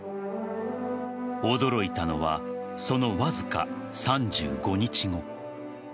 驚いたのはそのわずか３５日後。